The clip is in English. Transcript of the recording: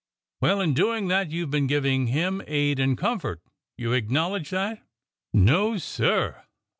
Well, in doing that you have been giving him aid and comfort. You acknowledge that? " No, sir!